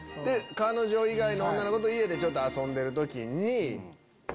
彼女以外の女の子と家で遊んでる時に。